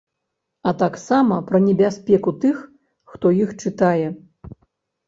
А таксама пра небяспеку тых, хто іх чытае.